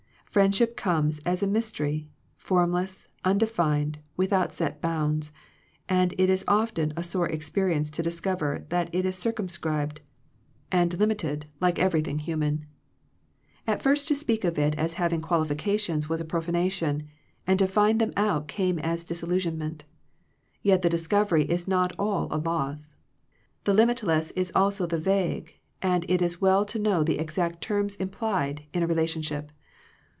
Friendship comes as a mystery, formless, undefined, without set bounds; and it is often a sore experience to discover that it is circum scribed, and limited like everything hu 191 Digitized by VjOOQIC THE LIMITS OF FRIENDSHIP man. At first to speak of it as having qualifications was a profanation, and to find them out came as a disillusionment Yet the discovery is not all a loss. The limitless is also the vague, and it is well to know the exact terms implied in a re lationship.